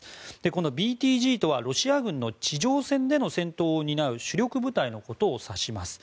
このＢＴＧとはロシア軍の地上戦での戦闘を担う主力部隊のことを指します。